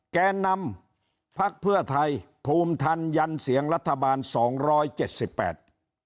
แกนนำพักเพื่อไทยภูมิทันยันเสียงรัฐบาลสองร้อยเจ็ดสิบแปด